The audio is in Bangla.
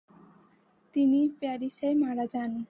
তিনি প্যারিসেই মারা যান।